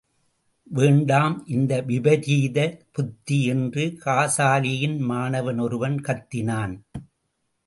வேண்டாம் இந்த விபரீத புத்தி! என்று காசாலியின் மாணவன் ஒருவன் கத்தினான்.